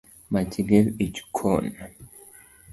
Mach liel e jikon.